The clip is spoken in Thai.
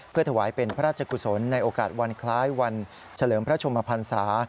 เพื่อถวายเป็นพระราชกุศลในโอกาสวันคล้ายวันเฉลิมพระชมพันศา